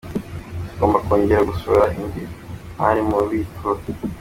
Tugomba kongera gushora indi mari mu bubiko.